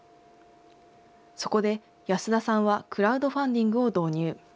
そこで安田さんはクラウドファンディングを導入。